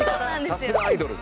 さすがアイドル。